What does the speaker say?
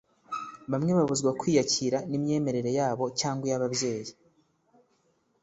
Bamwe babuzwa kwiyakira n’imyemerere yabo cyangwa iy’ababyeyi